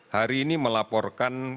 hari ini melaporkan